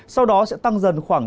sau đó sẽ tăng dần khoảng